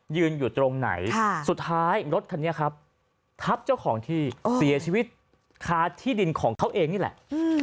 ยืนอยู่ตรงไหนสุดท้ายรถคันนี้ครับทับเจ้าของที่เสียชีวิตค้าที่ดินของเขาเองนี่แหละ